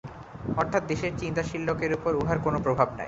অর্থাৎ দেশের চিন্তাশীল লোকের উপর উহার কোনই প্রভাব নাই।